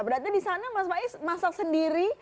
berarti di sana mas faiz masak sendiri